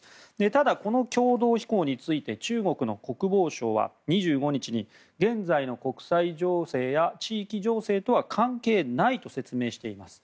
ただ、この共同飛行について中国の国防省は２５日に現在の国際情勢や地域情勢とは関係ないと説明しています。